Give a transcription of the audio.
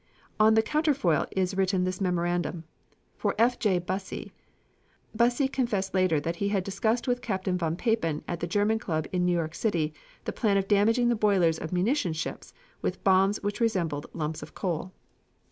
On the counterfoil is written this memorandum, "For F. J. Busse." Busse confessed later that he had discussed with Captain von Papen at the German Club in New York City the plan of damaging the boilers of munition ships with bombs which resembled lumps of coal.